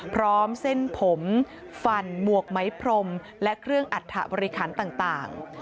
พร้อมเส้นผมฟันหมวกไหมพรมและเครื่องอัฐบริคันต่าง